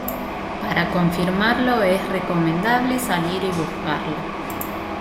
Para confirmarlo es recomendable salir y buscarlo.